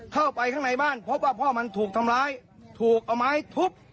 เข้าไปข้างในบ้านพบว่าพ่อมันถูกทำร้ายถูกเอาไม้ทุบ